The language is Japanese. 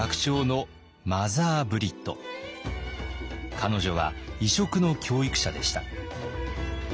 彼女は異色の教育者でした。